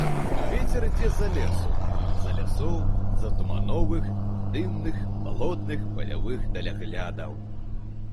Вецер ідзе з-за лесу, з-за лясоў, з-за тумановых, дымных, балотных, палявых даляглядаў.